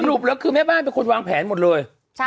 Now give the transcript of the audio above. แล้วคือแม่บ้านเป็นคนวางแผนหมดเลย